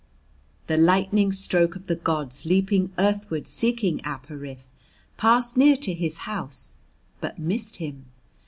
The lightning stroke of the gods leaping earthward seeking Ap Ariph passed near to his house but missed him.